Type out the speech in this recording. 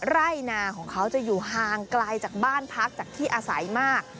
ไร่นาของเขาจะอยู่ห่างไกลจากบ้านพักจากที่อาศัยมาก